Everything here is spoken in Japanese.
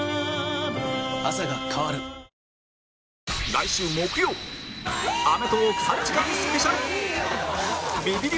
来週木曜『アメトーーク』３時間スペシャル